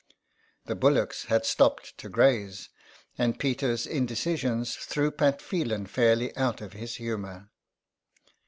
The bullocks had stopped to graze, and Peter's indecisions threw Pat Phelan fairly out of his humour.